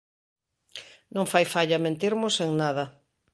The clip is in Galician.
Non fai falla mentirmos en nada.